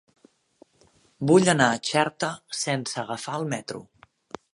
Vull anar a Xerta sense agafar el metro.